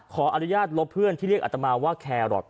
ขออนุญาตลบเพื่อนที่เรียกอัตมาว่าแครอท